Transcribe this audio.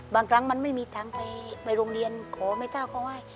บางครั้งมันไม่มีทางไปโรงเรียนขอแม่เจ้าเขาไหว้